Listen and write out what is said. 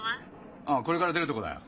ああこれから出るとこだよ。